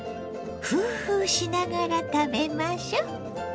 フーフーしながら食べましょ。